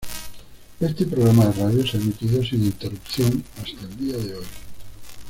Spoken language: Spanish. Este programa de radio se ha emitido sin interrupción hasta el día de hoy.